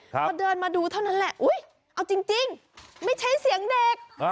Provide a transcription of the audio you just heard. พอเดินมาดูเท่านั้นแหละอุ๊ยเอาจริงไม่ใช่เสียงเด็ก